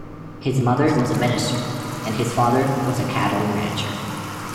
His mother was a minister, and his father was a cattle rancher.